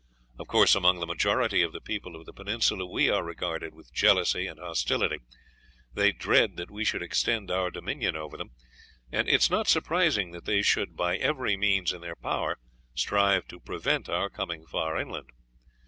Of course, among the majority of the people of the peninsula we are regarded with jealousy and hostility they dread that we should extend our dominion over them, and it is not surprising that they should by every means in their power strive to prevent our coming far inland.